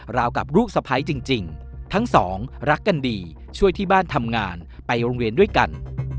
กับลูกสะพ้ายจริงทั้งสองรักกันดีช่วยที่บ้านทำงานไปโรงเรียนด้วยกัน